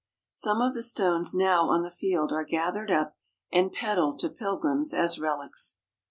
Some of the stones now on the field are gathered up and peddled to pilgrims as relics.